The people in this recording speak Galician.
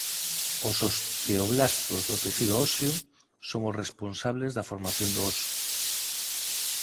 Os osteoblastos do tecido óseo son os responsables da formación do óso.